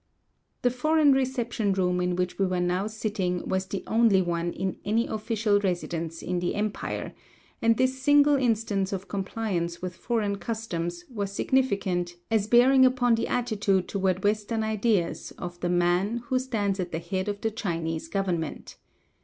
The foreign reception room in which we were now sitting was the only one in any official residence in the empire, and this single instance of compliance with foreign customs was significant as bearing upon the attitude toward Western ideas of the man who stands at the head of the Chinese government.